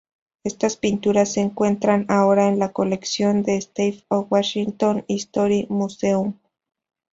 Estas pinturas se encuentran ahora en la colección del State of Washington History Museum.